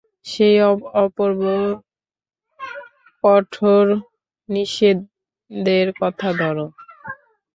সেই অপূর্ব কঠোপনিষদের কথা ধর।